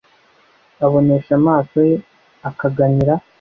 abonesha amaso ye akaganyira